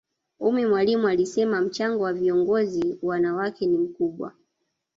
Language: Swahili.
ummy mwalimu alisema mchango wa viongozi wanawake ni mkubwa